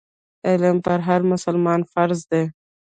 علم پر هر مسلمان فرض دی.